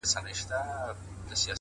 ځوان له ډيري ژړا وروسته څخه ريږدي!!